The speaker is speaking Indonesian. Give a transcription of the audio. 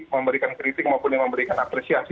memberikan kritik maupun yang memberikan apresiasi